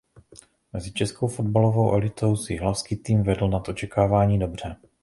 Mezi českou fotbalovou elitou si jihlavský tým vedl nad očekávání dobře.